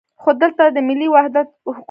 خو دلته د ملي وحدت حکومت.